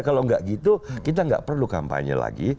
kalau tidak begitu kita tidak perlu kampanye lagi